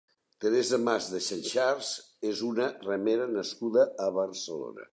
Teresa Mas de Xaxars és una remera nascuda a Barcelona.